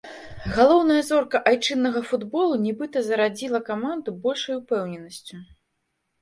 Галоўная зорка айчыннага футболу, нібыта зарадзіла каманду большай упэўненасцю.